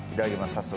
早速。